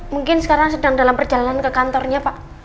mungkin sekarang sedang dalam perjalanan ke kantornya pak